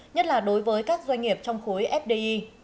nhất là đối với các doanh nghiệp trong khối fdi